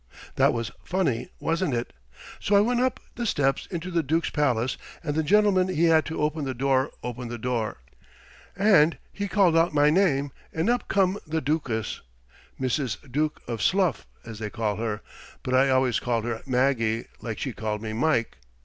That was funny, wasn't it? So I went up the steps into the Dook's palace, and the gentleman he had to open the door opened the door, and he called out my name and up come the Dookess Mrs. Dook of Sluff, as they call her, but I always called her Maggie, like she called me Mike.